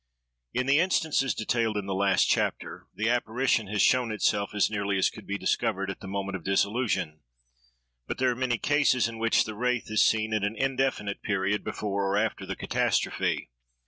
IN the instances detailed in the last chapter, the apparition has shown itself, as nearly as could be discovered, at the moment of dissolution; but there are many cases in which the wraith is seen at an indefinite period before or after the catastrophe.